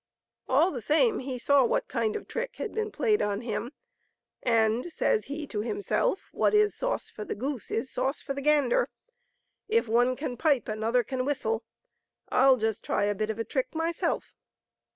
All the same, he saw what kind of trick had been played on him, and, says he to himself, " What is sauce for the goose is sauce for the gander. If one can pipe another can whistle ; 1*11 just try a bit of a trick myself.'